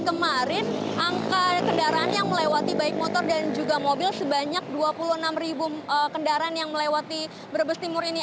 kemarin angka kendaraan yang melewati baik motor dan juga mobil sebanyak dua puluh enam ribu kendaraan yang melewati brebes timur ini